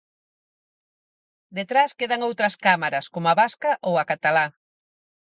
Detrás quedan outras cámaras como a vasca ou a catalá.